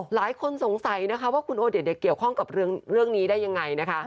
หลายคนสงสัยนะคะว่าคุณโอเดชเกี่ยวข้องกับเรื่องนี้ได้ยังไงนะคะ